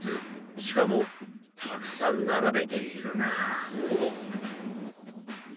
しかもたくさん並べているな。